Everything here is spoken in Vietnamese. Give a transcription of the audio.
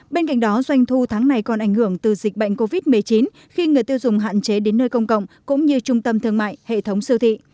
bên cạnh đó doanh thu tháng này còn ảnh hưởng từ dịch bệnh covid một mươi chín khi người tiêu dùng hạn chế đến nơi công cộng cũng như trung tâm thương mại hệ thống siêu thị